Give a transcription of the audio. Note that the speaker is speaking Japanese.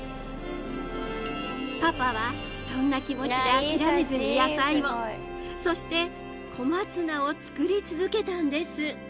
パパはそんな気持ちで諦めずに野菜をそして小松菜を作り続けたんです。